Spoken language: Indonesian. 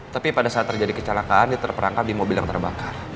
tapi pada saat terjadi kecelakaan dia terperangkap di mobil yang terbakar